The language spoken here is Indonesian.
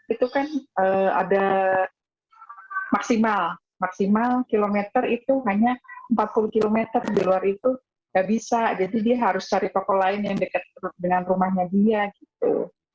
itu kan ada maksimal maksimal kilometer itu hanya empat puluh km di luar itu nggak bisa jadi dia harus cari toko lain yang dekat dengan rumahnya dia gitu